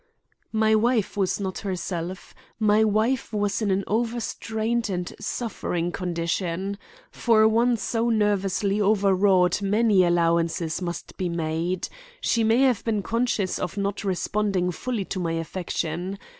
"My wife was not herself. My wife was in an over strained and suffering condition. For one so nervously overwrought many allowances must be made. She may have been conscious of not responding fully to my affection.